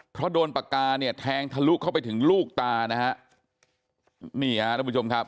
เพราะโดนปากกาเนี่ยแทงทะลุเข้าไปถึงลูกตานะฮะนี่ฮะทุกผู้ชมครับ